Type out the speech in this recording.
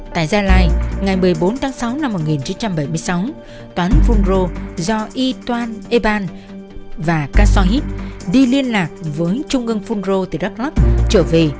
tại gia lai ngày một mươi bốn tháng sáu năm một nghìn chín trăm bảy mươi sáu toán fungro do yituan eban và kasohit đi liên lạc với trung ương fungro từ đắk lắk trở về